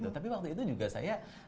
tapi waktu itu juga saya